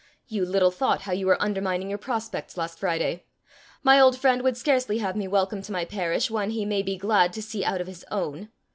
You little thought how you were undermining your prospects last Friday! My old friend would scarcely have me welcome to my parish one he may be glad to see out of his own!